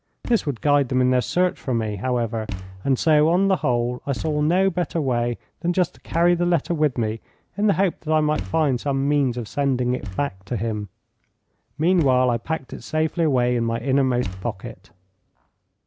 This would guide them in their search for me, however, and so, on the whole, I saw no better way than just to carry the letter with me in the hope that I might find some means of sending it back to him. Meanwhile I packed it safely away in my inner most pocket.